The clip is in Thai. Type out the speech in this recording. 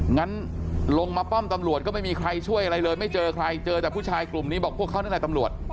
งั้นลงมาป้อมตำรวจก็ไม่มีใครช่วยอะไรเลยไม่เจอใครเจอแต่ผู้ชายกลุ่มนี้บอกพวกเขานั่นแหละตำรวจ